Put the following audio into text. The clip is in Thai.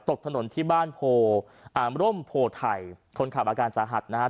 ตกถนนที่บ้านโพอ่าร่มโพไทยคนขับอาการสาหัสนะครับ